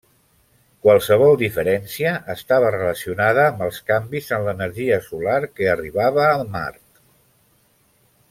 Qualsevol diferència estava relacionada amb els canvis en l'energia solar que arribava a Mart.